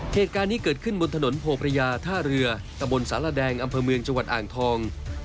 เหตุการณ์นี้เกิดขึ้นบนถนนโพพระยาท่าเรือตะบนสารแดงอำเภอเมืองจังหวัดอ่างทอง